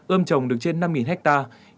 ươm trồng được trên năm hectare